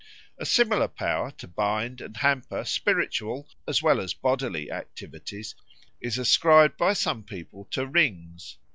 A similar power to bind and hamper spiritual as well as bodily activities is ascribed by some people to rings.